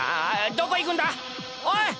どこ行くんだ⁉おい！